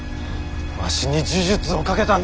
わしに呪術をかけたんじゃ。